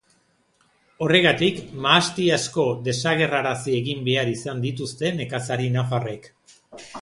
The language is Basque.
Horregatik, mahasti asko desagerrarazi egin behar izan dituzte nekazari nafarrek.